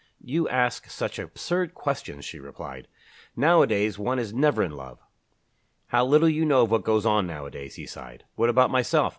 "You ask such absurd questions," she replied. "Nowadays, one is never in love." "How little you know of what goes on nowadays!" he sighed. "What about myself?